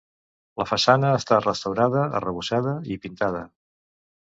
La façana està restaurada, arrebossada i pintada.